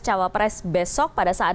cawapres besok pada saat